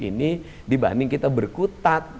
ini dibanding kita berkutat